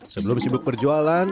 sebelum sibuk perjualan